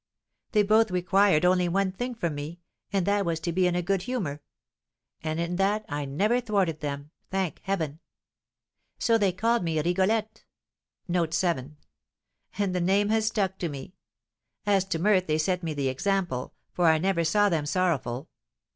They both required only one thing from me, and that was to be in a good humour; and in that I never thwarted them, thank Heaven. So they called me Rigolette, and the name has stuck to me. As to mirth, they set me the example, for I never saw them sorrowful.